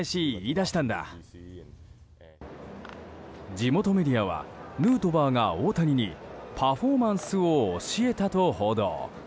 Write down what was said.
地元メディアは、ヌートバーが大谷にパフォーマンスを教えたと報道。